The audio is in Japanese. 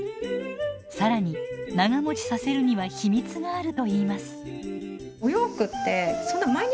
更に長もちさせるには秘密があるといいます。